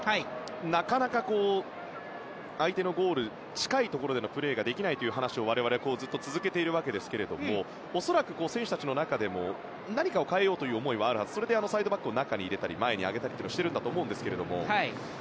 なかなか相手のゴールに近いところでのプレーができないという話を我々はずっと続けているわけですけども恐らく選手たちの中でも何か変えようという思いはあるはずでそれでサイドバックを中に入れたり前に上げたりしていると思いますが。